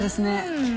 うん。